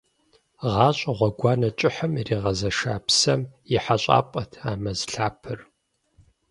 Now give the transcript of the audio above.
Гъащӏэ гъуэгуанэ кӏыхьым иригъэзэша псэм и хэщӏапӏэт а мэз лъапэр.